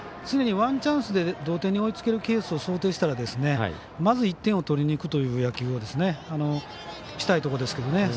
常にワンチャンスで同点に追いつけるケースを想定したらまず１点を取りにいくという野球をしたいところですけどね。